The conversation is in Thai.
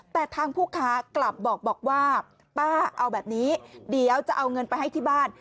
แต่ทางผู้ค้ากลับบอกว่าป้าเอาแบบนี้เดี๋ยวจะเอาเงินไปให้ที่บ้าน